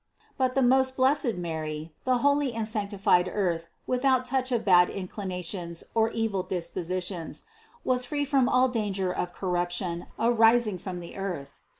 131. But the most blessed Mary, the holy and sancti fied earth without touch of bad inclinations or evil dis positions, was free from all danger of corruption arising from the earth.